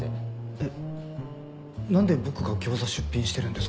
えっなんで僕が餃子出品してるんですか？